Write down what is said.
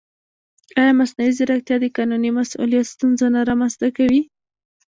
ایا مصنوعي ځیرکتیا د قانوني مسؤلیت ستونزه نه رامنځته کوي؟